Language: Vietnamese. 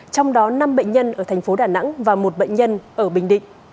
trong đó năm bệnh nhân ở thành phố đà nẵng và một bệnh nhân ở bình định